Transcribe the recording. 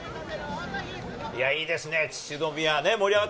いや、いいですね。